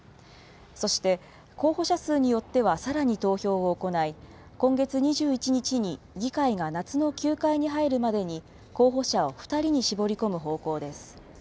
そして、候補者数によってはさらに投票を行い、今月２１日に議会が夏の休会に入るまでに候補者を２人に絞り込む方向です。